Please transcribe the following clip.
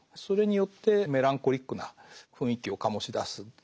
それによってメランコリックな雰囲気を醸し出す。